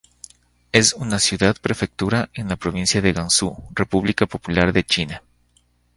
Es una ciudad-prefectura en la provincia de Gansu, República Popular de China.